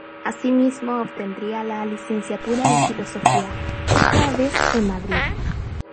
Así mismo, obtendría la Licenciatura en Filosofía, esta vez en Madrid.